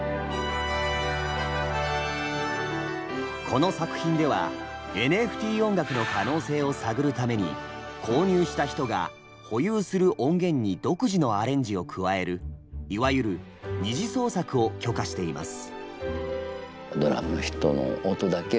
この作品ではＮＦＴ音楽の可能性を探るために購入した人が保有する音源に独自のアレンジを加えるいわゆる「二次創作」を許可しています。